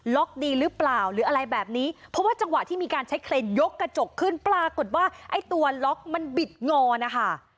ดีหรือเปล่าหรืออะไรแบบนี้เพราะว่าจังหวะที่มีการใช้เคลนยกกระจกขึ้นปรากฏว่าไอ้ตัวล็อกมันบิดงอนะคะ